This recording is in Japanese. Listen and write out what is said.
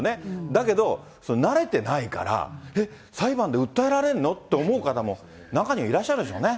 だけど慣れてないから、えっ、裁判で訴えられるの？と思う方も、中にはいらっしゃるでしょうね。